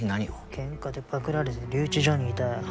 喧嘩でパクられて留置所にいたよ。